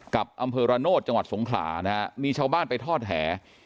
กับอำเภอระโนธจังหวัดสงขลานะฮะมีชาวบ้านไปทอดแห